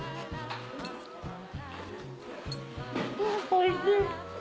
おいしい。